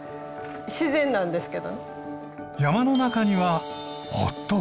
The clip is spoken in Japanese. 自然なんですけどね。